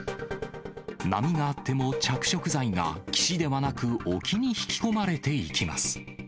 波があっても着色剤が岸ではなく沖に引き込まれていきます。